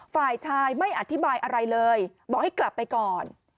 ฝ่ายชายไม่อธิบายอะไรเลยบอกให้กลับไปก่อน